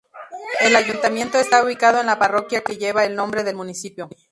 El ayuntamiento está ubicado en la parroquia que lleva el nombre del municipio.